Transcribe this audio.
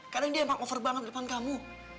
kadang dia emang over banget depan kamu